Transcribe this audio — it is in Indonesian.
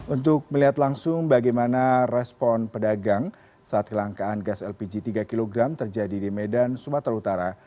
untuk melihat langsung bagaimana respon pedagang saat kelangkaan gas lpg tiga kg terjadi di medan sumatera utara